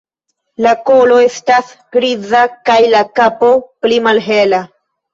La kolo estas griza kaj la kapo pli malhela.